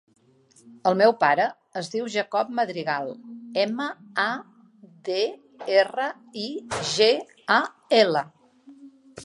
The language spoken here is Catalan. El meu pare es diu Jacob Madrigal: ema, a, de, erra, i, ge, a, ela.